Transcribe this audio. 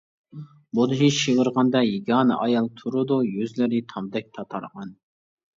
مۇدھىش شىۋىرغاندا يېگانە ئايال تۇرىدۇ يۈزلىرى تامدەك تاتارغان.